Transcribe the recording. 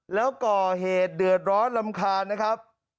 แล้วก่อเหตุเดือดร้อนรำคาญนะครับ